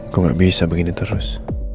gue gak bisa begini terus